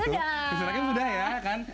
christine hakim sudah ya kan